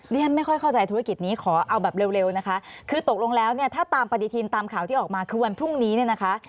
ฉันไม่ค่อยเข้าใจธุรกิจนี้ขอเอาแบบเร็วนะคะคือตกลงแล้วเนี่ยถ้าตามปฏิทินตามข่าวที่ออกมาคือวันพรุ่งนี้เนี่ยนะคะ